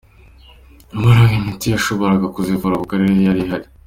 Nyamara, ngo imiti yashoboraga kuzivura ku karere yari ihari.